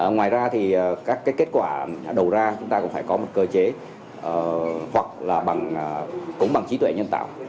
ngoài ra thì các kết quả đầu ra chúng ta cũng phải có một cơ chế hoặc là bằng cống bằng trí tuệ nhân tạo